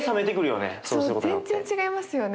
全然違いますよね。